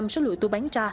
bảy mươi số lượng thu bán ra